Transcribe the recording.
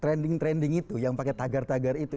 trending trending itu yang pakai tagar tagar itu